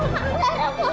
larang mau lihat ular putih